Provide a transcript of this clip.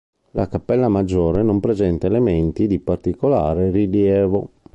La cappella maggiore n on presenta elementi di particolare rilievo.